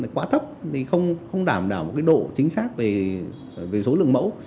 quá thấp thì không đảm đảo một cái độ chính xác về số lượng mẫu